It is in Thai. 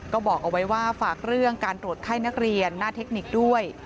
ก็บอกเอาไว้ว่าฝากเรื่องการตรวจไข้นักเรียนหน้าเทคนิคด้วย